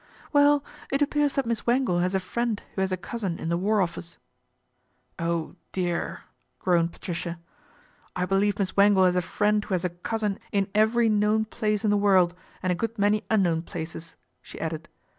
" Well, it appears that Miss Wangle has a friend who has a cousin in the War Office." " Oh, dear !" groaned Patricia. " I believe Miss Wangle has a friend who has a cousin in every known place in the world, and a good many unknown places," she added.